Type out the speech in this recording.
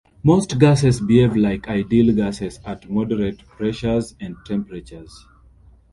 Most gases behave like ideal gases at moderate pressures and temperatures.